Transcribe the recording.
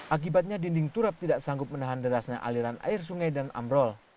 akibatnya dinding turap tidak sanggup menahan derasnya aliran air sungai dan ambrol